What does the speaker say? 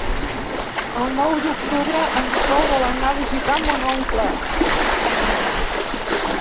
El nou d'octubre en Sol vol anar a visitar mon oncle.